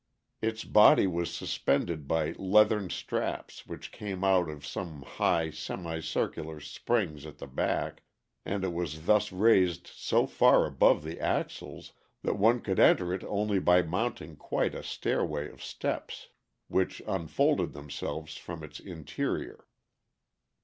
Its body was suspended by leathern straps which came out of some high semicircular springs at the back, and it was thus raised so far above the axles that one could enter it only by mounting quite a stairway of steps, which unfolded themselves from its interior.